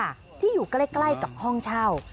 แล้วก็ไปยังกล้ายกับห้องเช่า